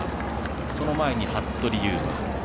その前に服部勇馬。